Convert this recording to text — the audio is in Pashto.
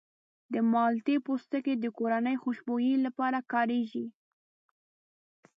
د مالټې پوستکی د کورني خوشبویي لپاره کارېږي.